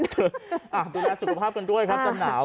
ดูแลสุขภาพกันด้วยครับจะหนาว